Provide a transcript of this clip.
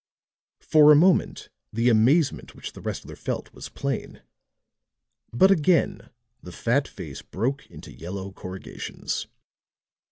For a moment the amazement which the wrestler felt was plain; but again the fat face broke into yellow corrugations.